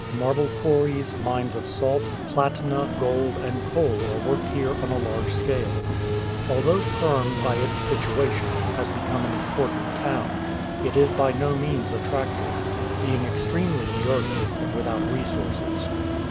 Marble quarries, mines of salt, platina, gold, and coal are worked here on a large scale. Although Perm, by its situation, has become an important town, it is by no means attractive, being extremely dirty, and without resources.